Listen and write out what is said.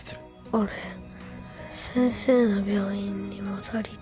俺先生の病院に戻りたい。